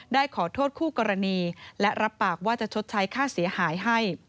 ได้ขอโทษคู่กรณีและรับปากว่าจะชดใช้ค่าเสียหายให้